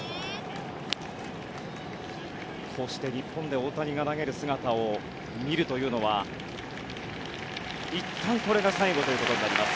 こうして日本で大谷が投げる姿を見るというのは、いったんこれが最後となります。